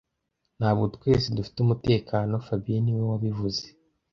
Ntabwo twese dufite umutekano fabien niwe wabivuze